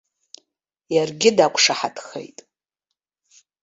Иаргьы дақәшаҳаҭхеит.